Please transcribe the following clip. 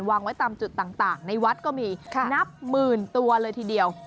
วางไว้ตามจุดต่างในวัดก็มีนับหมื่นตัวเลยทีเดียว